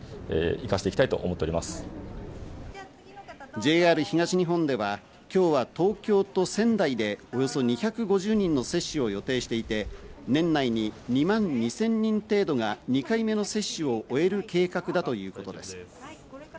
ＪＲ東日本では今日は東京と仙台で、およそ２５０人の接種を予定していて、年内に２万２０００人程度が２回目の接種を終える計画だということです。